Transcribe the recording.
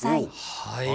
はい。